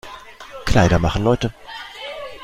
Kleider machen Leute.